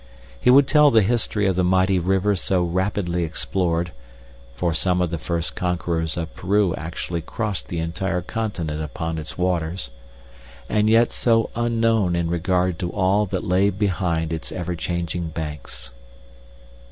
He would tell the history of the mighty river so rapidly explored (for some of the first conquerors of Peru actually crossed the entire continent upon its waters), and yet so unknown in regard to all that lay behind its ever changing banks.